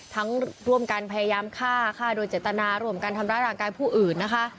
ร่วมกันพยายามฆ่าฆ่าโดยเจตนาร่วมกันทำร้ายร่างกายผู้อื่นนะคะ